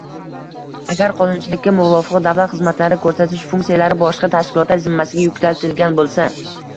Agar qonunchilikka muvofiq davlat xizmatlari ko‘rsatish funksiyalari boshqa tashkilotlar zimmasiga yuklatilgan bo‘lsa